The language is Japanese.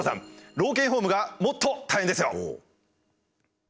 老犬ホームがもっと大変ですよ。